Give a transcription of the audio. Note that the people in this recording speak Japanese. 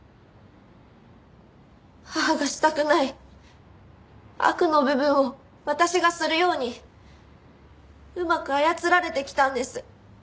母がしたくない悪の部分を私がするようにうまく操られてきたんです。